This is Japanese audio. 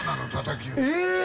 え！